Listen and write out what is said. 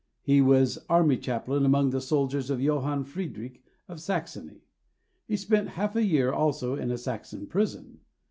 He was army chaplain among the soldiers of Johann Friedrich, of Saxony; he spent half a year also in a Saxon prison.